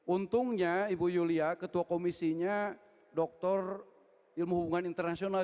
untungnya ibu yulia ketua komisinya doktor ilmu hubungan internasional